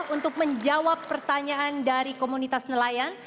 untuk menjawab pertanyaan dari komunitas nelayan